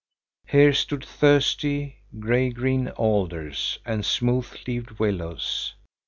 Here stood thirsty, gray green alders and smooth leaved willows.